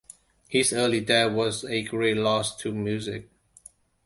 His early death was a great loss to music.